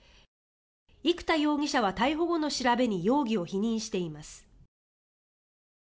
生田容疑者は、逮捕後の調べに容疑を否認しています。